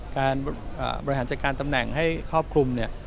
การบริหารจัดการตำแหน่งให้ครอบคลุมเนี่ย